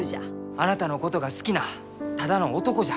あなたのことが好きなただの男じゃ。